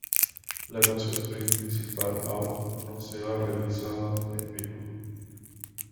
La canción principal aún no se ha realizado en vivo.